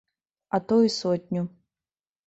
А то і сотню.